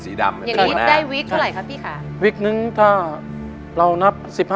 วิกได้วิกเท่าไหร่ครับพี่ค่ะ